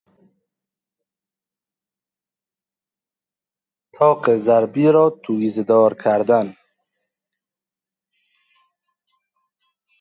تاق ضربی را تویزهدار کردن